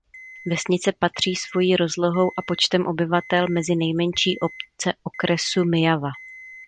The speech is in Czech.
Vesnice patří svojí rozlohou a počtem obyvatel mezi nejmenší obce okresu Myjava.